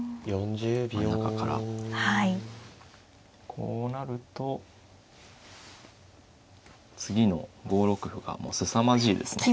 こうなると次の５六歩がもうすさまじいですね。